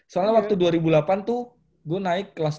soalnya waktu dua ribu delapan tuh gue naik kelas tiga